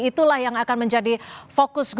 itulah yang akan menjadi fokus